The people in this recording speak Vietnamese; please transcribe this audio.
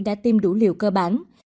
đã tiêm đủ liều cơ bản